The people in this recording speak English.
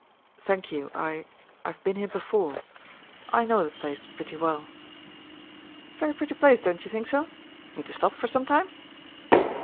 "Thank you, I I've been here before. I know the place pretty well." "Very pretty place, don't you think so? Mean to stop for some time?"